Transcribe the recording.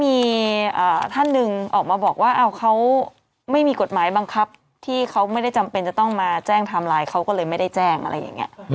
มีท่านหนึ่งออกมาบอกว่าเขาไม่มีกฎหมายบังคับที่เขาไม่ได้จำเป็นจะต้องมาแจ้งไทม์ไลน์เขาก็เลยไม่ได้แจ้งอะไรอย่างนี้